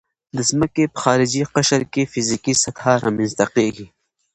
د ځمکې په خارجي قشر کې فزیکي سطحه رامنځته کیږي